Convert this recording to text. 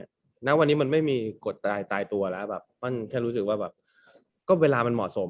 ณวันนี้มันไม่มีกฎตายตายตัวแล้วแบบมันแค่รู้สึกว่าแบบก็เวลามันเหมาะสม